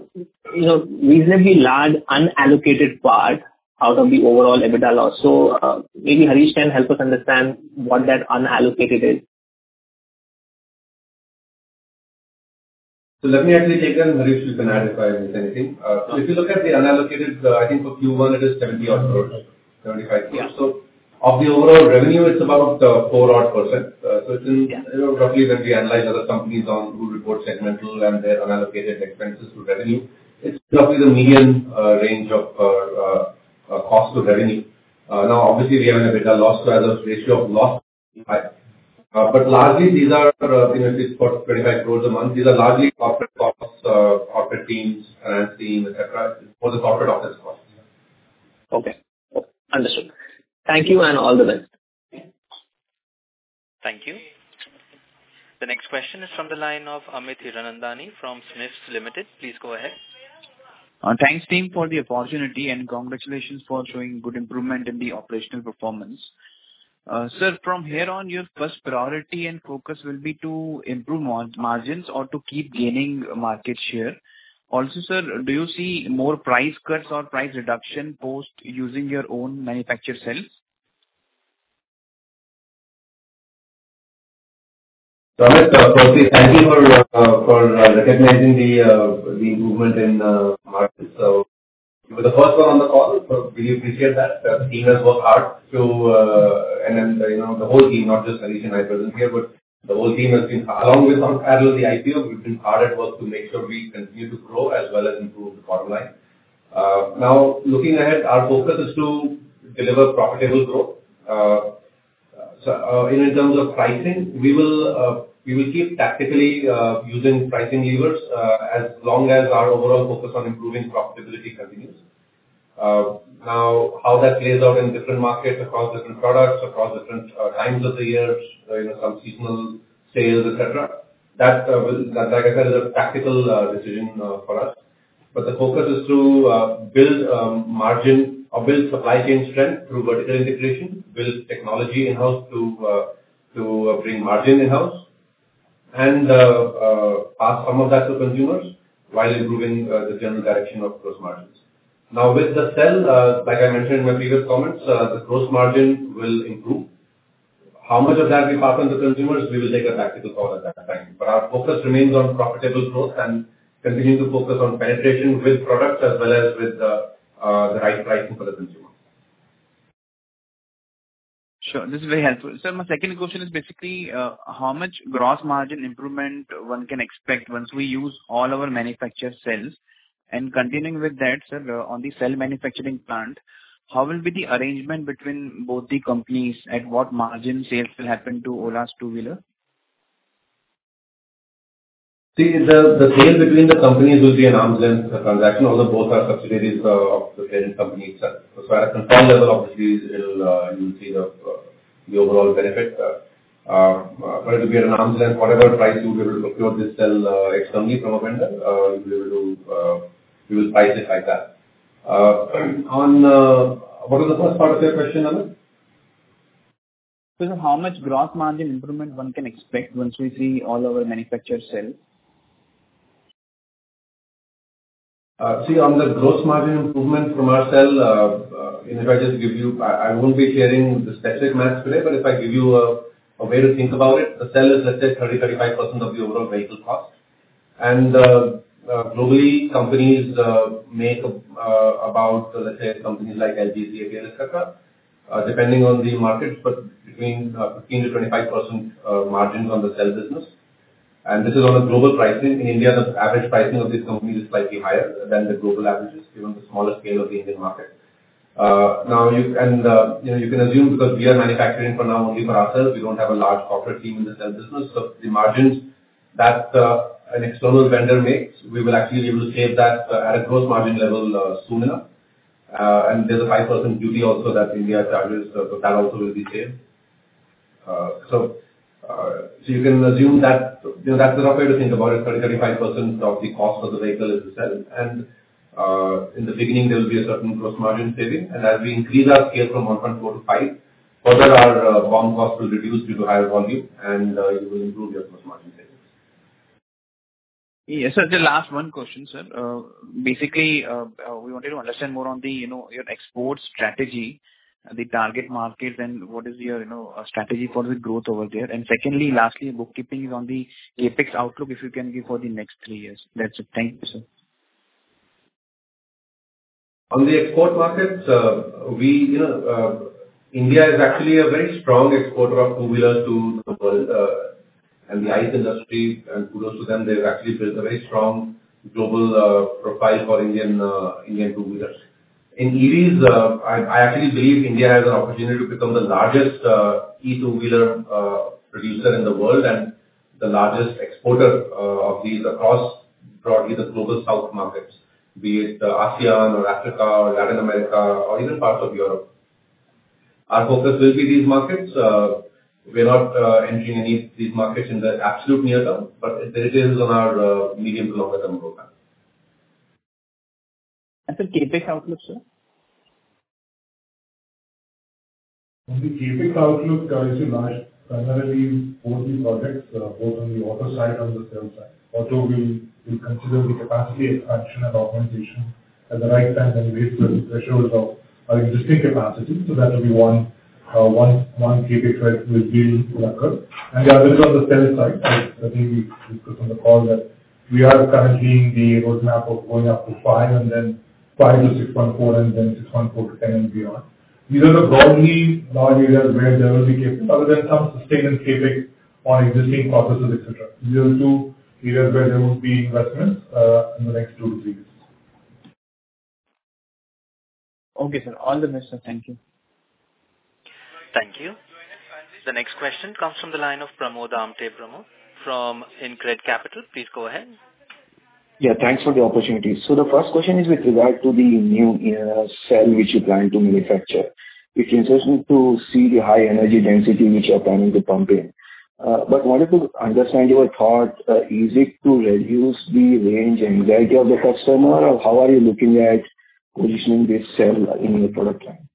you know, reasonably large unallocated part out of the overall EBITDA loss. So, maybe Harish can help us understand what that unallocated is. So let me actually take that, Harish, you can add if I miss anything. If you look at the unallocated, I think for Q1 it is 70-odd crores, 75 crores. Yeah. So of the overall revenue, it's about 4-odd%. So it's in- Yeah. Roughly when we analyze other companies on who report segmental and their unallocated expenses to revenue, it's roughly the median, range of, cost to revenue. Now, obviously, we have an EBITDA loss, so as a ratio of loss is high. But largely these are, you know, just for 25 crore a month, these are largely corporate costs, corporate teams and team, et cetera, for the corporate office costs. Okay. Understood. Thank you, and all the best. Thank you. The next question is from the line of Amit Hiranandani from SMIFS Limited. Please go ahead. Thanks, team, for the opportunity, and congratulations for showing good improvement in the operational performance. Sir, from here on, your first priority and focus will be to improve margins or to keep gaining market share? Also, sir, do you see more price cuts or price reduction post using your own manufactured cells? Amit, firstly, thank you for recognizing the improvement in markets. So you were the first one on the call, so really appreciate that. The team has worked hard to, and then, you know, the whole team, not just Harish and I present here, but the whole team has been hard. Along with on parallel, the IPO, we've been hard at work to make sure we continue to grow as well as improve the bottom line. Now, looking ahead, our focus is to deliver profitable growth. So, in terms of pricing, we will keep tactically using pricing levers, as long as our overall focus on improving profitability continues. Now, how that plays out in different markets across different products, across different times of the years, you know, some seasonal sales, et cetera, that will. Like I said, is a tactical decision for us. But the focus is to build margin or build supply chain strength through vertical integration, build technology in-house to to bring margin in-house, and pass some of that to consumers while improving the general direction of gross margins. Now, with the scale, like I mentioned in my previous comments, the gross margin will improve. How much of that we pass on to consumers, we will take a tactical call at that time. But our focus remains on profitable growth and continuing to focus on penetration with products as well as with the right pricing for the consumer. Sure, this is very helpful. Sir, my second question is basically, how much gross margin improvement one can expect once we use all our manufactured cells? And continuing with that, sir, on the cell manufacturing plant, how will be the arrangement between both the companies, at what margin sales will happen to Ola's two-wheeler? See, the sale between the companies will be an arm's length transaction, although both are subsidiaries of the parent company itself. So at a central level, obviously, it'll, you'll see the overall benefit. But it will be at an arm's length. Whatever price you'll be able to procure this sale externally from a vendor, we'll be able to, we will price it like that. What was the first part of your question, Amit? How much gross margin improvement one can expect once we see all our manufactured cells? See, on the gross margin improvement from our cell, if I just give you... I won't be sharing the specific math today, but if I give you a way to think about it, the cell is, let's say, 30%-35% of the overall vehicle cost. Globally, companies make about, let's say, companies like LG, CATL, et cetera, depending on the market, but 15%-25% margins on the cell business. And this is on global pricing. In India, the average pricing of these companies is slightly higher than the global averages, given the smaller scale of the Indian market. Now, you know, you can assume because we are manufacturing for now only for ourselves, we don't have a large corporate team in the cell business. So the margins that an external vendor makes, we will actually be able to save that at a gross margin level, soon enough. And there's a 5% duty also that India charges, so that also will be saved. So you can assume that, you know, that's a rough way to think about it, 30%-35% of the cost of the vehicle is the cell. And in the beginning, there will be a certain gross margin saving, and as we increase our scale from 1.4 to 5, further our BOM cost will reduce due to higher volume, and it will improve your gross margin savings. Yes, sir. The last question, sir. Basically, we wanted to understand more on the, you know, your export strategy, the target market, and what is your, you know, strategy for the growth over there. And secondly, lastly, the CapEx outlook, if you can give for the next three years. That's it. Thank you, sir. On the export markets, we, you know, India is actually a very strong exporter of two-wheelers to the world, and the ICE industry and kudos to them, they've actually built a very strong global profile for Indian, Indian two-wheelers. In EVs, I, I actually believe India has an opportunity to become the largest, e-two-wheeler, producer in the world, and the largest exporter of these across broadly the Global South markets, be it ASEAN or Africa or Latin America or even parts of Europe. Our focus will be these markets. We're not entering any of these markets in the absolute near term, but it is on our medium to longer term program. The CapEx outlook, sir? On the CapEx outlook, you see, primarily both the projects, both on the auto side and the cell side. Auto, we consider the capacity expansion and augmentation at the right time and raise the thresholds of our existing capacity. So that will be one CapEx right will be to occur. And the other is on the sales side, right? I think we discussed on the call that we are currently the roadmap of going up to 5 and then 5-6.4, and then 6.4-10 and beyond. These are the broadly broad areas where there will be CapEx, other than some sustained CapEx on existing campuses, et cetera. These are two areas where there will be investments, in the next 2-3 years. Okay, sir. All the best, sir. Thank you. Thank you. The next question comes from the line of Pramod Amte Pramod from InCred Capital. Please go ahead. Yeah, thanks for the opportunity. So the first question is with regard to the new, cell, which you plan to manufacture. We can certainly to see the high energy density which you are planning to pump in. But wanted to understand your thought, is it to reduce the range anxiety of the customer, or how are you looking at positioning this cell in your product line?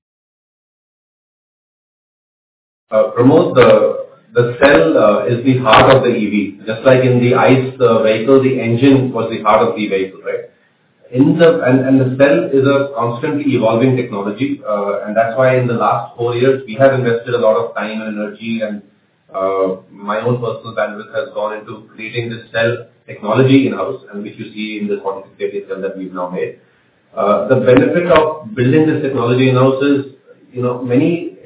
Pramod, the cell is the heart of the EV. Just like in the ICE vehicle, the engine was the heart of the vehicle, right? The cell is a constantly evolving technology, and that's why in the last four years, we have invested a lot of time and energy and my own personal bandwidth has gone into creating this cell technology in-house, and which you see in the cylindrical cell that we've now made. The benefit of building this technology in-house is, you know, many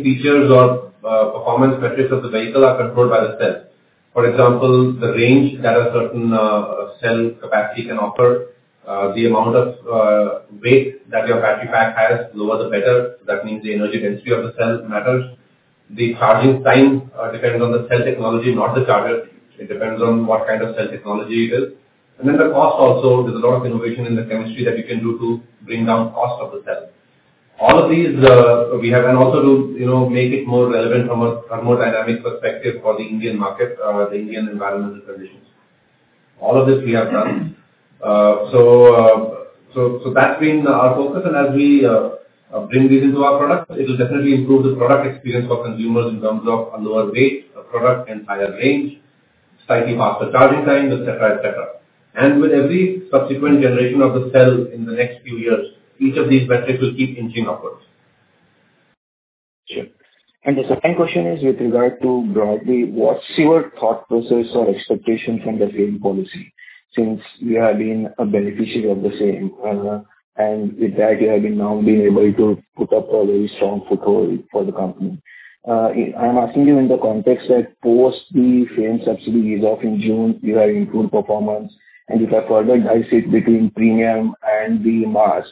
features or performance metrics of the vehicle are controlled by the cell. For example, the range that a certain cell capacity can offer, the amount of weight that your battery pack has, the lower the better. That means the energy density of the cell matters. The charging time depends on the cell technology, not the charger. It depends on what kind of cell technology it is. And then the cost also, there's a lot of innovation in the chemistry that you can do to bring down cost of the cell. All of these, we have and also to, you know, make it more relevant from a thermodynamic perspective for the Indian market, the Indian environmental conditions. All of this we have done. So that's been our focus, and as we bring this into our product, it will definitely improve the product experience for consumers in terms of a lower weight of product and higher range, slightly faster charging time, et cetera, et cetera. And with every subsequent generation of the cell in the next few years, each of these metrics will keep inching upwards. Sure. And the second question is with regard to broadly, what's your thought process or expectation from the FAME policy, since you have been a beneficiary of the same, and with that, you have been now being able to put up a very strong foothold for the company? I'm asking you in the context that post the FAME subsidy ease-off in June, you are in good performance, and if I further dice it between premium and the mass,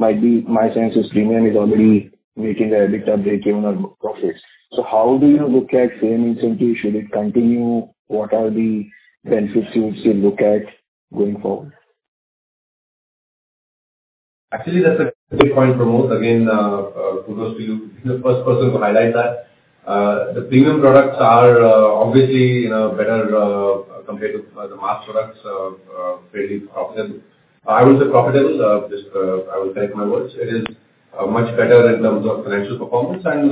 might be my sense is premium is already making the EBITDA break even on profits. So how do you look at FAME incentive? Should it continue? What are the benefits you would still look at going forward? Actually, that's a great point, Pramod. Again, kudos to you. You're the first person to highlight that. The premium products are obviously, you know, better compared to the mass products, fairly profitable. I would say profitable, just I will take my words. It is much better in terms of financial performance and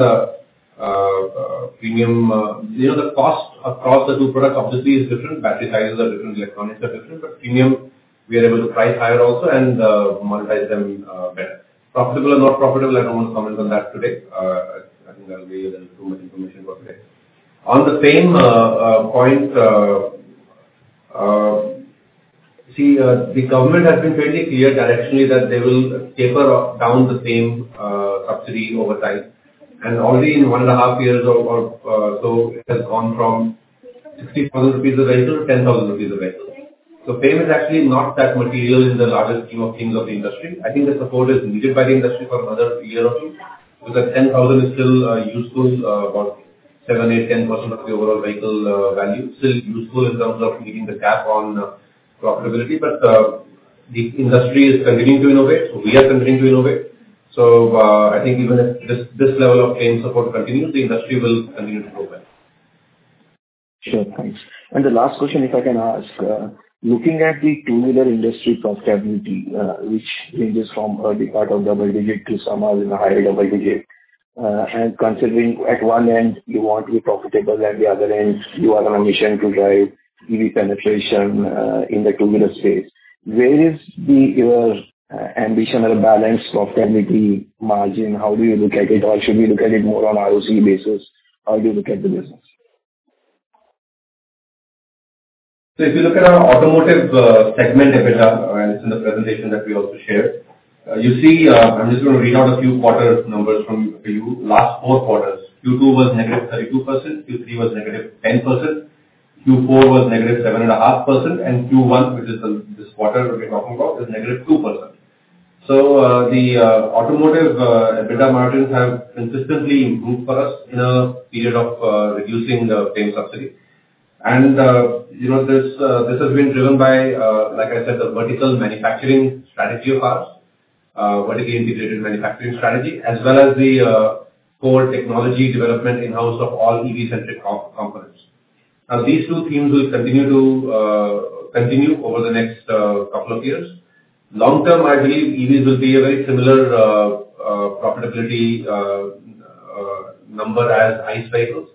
premium, you know, the cost across the two products obviously is different. Battery sizes are different, electronics are different, but premium, we are able to price higher also and monetize them better. Profitable or not profitable, I don't want to comment on that today. I think that will be a little too much information for today. On the same point, the government has been fairly clear directionally that they will taper down the FAME subsidy over time. And already in 1.5 years, it has gone from 60,000 rupees a vehicle to 10,000 rupees a vehicle. So FAME is actually not that material in the larger scheme of things of the industry. I think the support is needed by the industry for another year or two, because that 10,000 is still useful, about 7, 8, 10% of the overall vehicle value. Still useful in terms of meeting the gap on profitability, but the industry is continuing to innovate, so we are continuing to innovate. So, I think even if this level of FAME support continues, the industry will continue to progress. Sure. Thanks. And the last question, if I can ask, looking at the two-wheeler industry profitability, which ranges from, the part of double digit to somehow in a higher double digit, and considering at one end, you want to be profitable, at the other end, you are on a mission to drive EV penetration, in the two-wheeler space. Where is the, ambition or balance, profitability, margin? How do you look at it, or should we look at it more on ROC basis? How do you look at the business?... So if you look at our automotive segment EBITDA, and it's in the presentation that we also shared, you see, I'm just going to read out a few quarter numbers from, for you. Last four quarters, Q2 was negative 32%, Q3 was negative 10%, Q4 was negative 7.5%, and Q1, which is the, this quarter that we're talking about, is negative 2%. So, the, automotive EBITDA margins have consistently improved for us in a period of reducing the FAME subsidy. And, you know, this, this has been driven by, like I said, the vertical manufacturing strategy of ours, vertically integrated manufacturing strategy, as well as the, core technology development in-house of all EV-centric components. Now, these two themes will continue to continue over the next, couple of years. Long term, I believe EVs will be a very similar profitability number as ICE vehicles.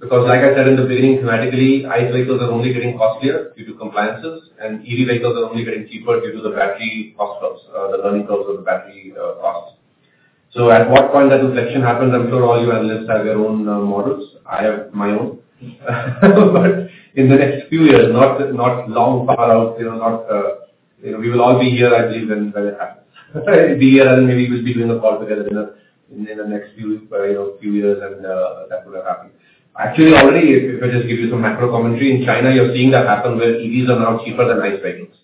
Because like I said in the beginning, thematically, ICE vehicles are only getting costlier due to compliances, and EV vehicles are only getting cheaper due to the battery cost curves, the learning curves of the battery costs. So at what point does this action happen? I'm sure all you analysts have your own models. I have my own. But in the next few years, not long far out, you know, we will all be here, I believe, when it happens. We'll be here, and maybe we'll be doing a call together in the next few, you know, few years, and that would have happened. Actually, already, if I just give you some macro commentary, in China, you're seeing that happen where EVs are now cheaper than ICE vehicles.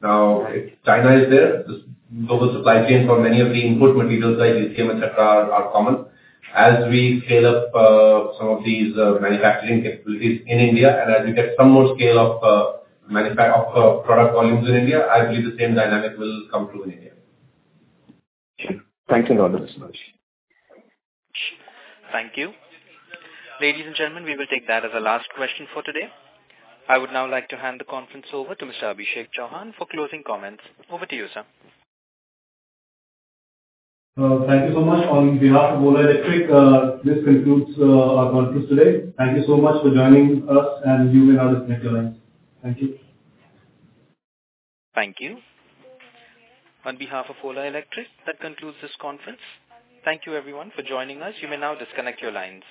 Now, China is there. This global supply chain for many of the input materials like NCM, et cetera, are common. As we scale up some of these manufacturing capabilities in India, and as we get some more scale of manufacturing of product volumes in India, I believe the same dynamic will come through in India. Sure. Thanks a lot, Rajesh. Thank you. Ladies and gentlemen, we will take that as our last question for today. I would now like to hand the conference over to Mr. Abhishek Chauhan for closing comments. Over to you, sir. Thank you so much. On behalf of Ola Electric, this concludes our conference today. Thank you so much for joining us, and you may now disconnect your lines. Thank you. Thank you. On behalf of Ola Electric, that concludes this conference. Thank you everyone for joining us. You may now disconnect your lines.